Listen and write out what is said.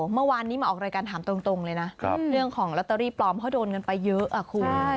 เมื่อวานนี้มาออกรายการถามตรงเลยนะเรื่องของลอตเตอรี่ปลอมเพราะโดนเงินไปเยอะคุณ